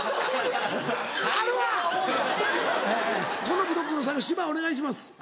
このブロックの最後芝お願いします。